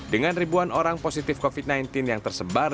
dengan ribuan orang positif covid sembilan belas yang tersebar